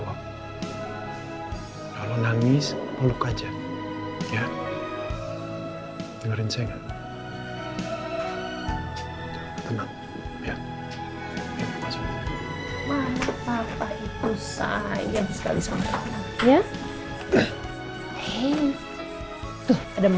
apa ya ada nomer jenis divert west risks